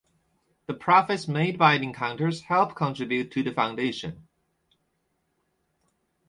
The profits made by the encounters help contribute to the foundation.